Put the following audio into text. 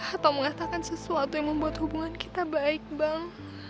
atau mengatakan sesuatu yang membuat hubungan kita baik bang